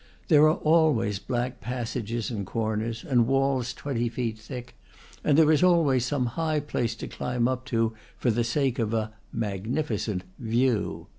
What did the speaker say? There are always black passages and corners, and walls twenty feet thick; and there is always some high place to climb up to for the sake of a "magnificent" view.